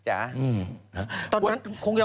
ไหนหลังเลยอ่ะ